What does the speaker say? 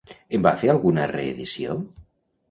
En va fer alguna reedició?